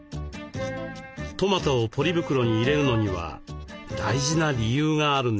トマトをポリ袋に入れるのには大事な理由があるんです。